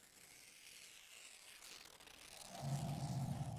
د ځنګلونو پرېکول د چاپېریال توازن له منځه وړي.